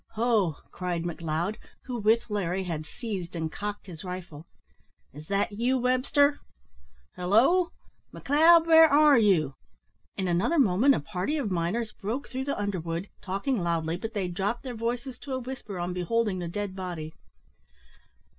"Ho!" cried McLeod, who, with Larry, had seized and cocked his rifle, "is that you, Webster?" "Halloo! McLeod, where are you?" In another moment a party of miners broke through the underwood, talking loudly, but they dropped their voices to a whisper on beholding the dead body.